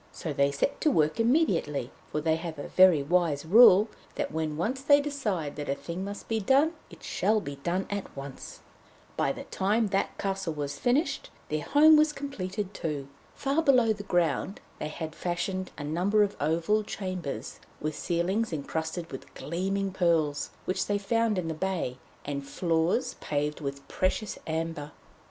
So they set to work immediately, for they have a very wise rule that when once they decide that a thing must be done, it shall be done at once. By the time that the castle was finished, their home was completed too. Far below the ground they had fashioned a number of oval chambers, with ceilings encrusted with gleaming pearls which they found in the bay, and floors paved with precious amber.